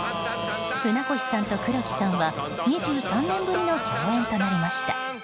船越さんと黒木さんは２３年ぶりの共演となりました。